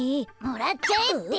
もらっちゃえって！